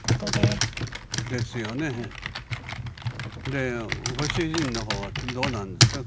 でご主人の方はどうなんですか？